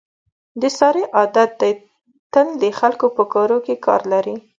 د سارې عادت دی تل د خلکو په کاروکې کار لري.